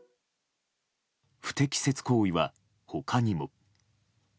不適切行為は他にも。